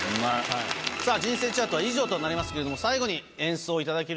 さぁ「人生チャート」は以上となりますけれども最後に演奏いただけるということです。